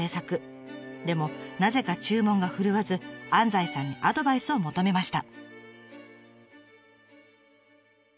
でもなぜか注文が振るわず安西さんにアドバイスを求めました。